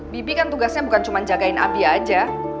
bibi kan tugasnya bukan cuma jagain abi aja